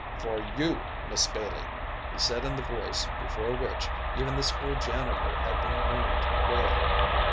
"For you, Miss Bailey," he said in the voice before which even the school janitor had been known to quail.